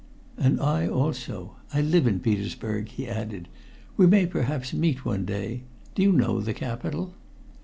"And I also. I live in Petersburg," he added. "We may perhaps meet one day. Do you know the capital?"